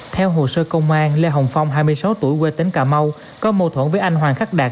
theo hồ sơ công an lê hồng phong hai mươi sáu tuổi quê tỉnh cà mau có mâu thuẫn với anh hoàng khắc đạt